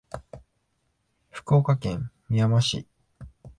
福岡県みやま市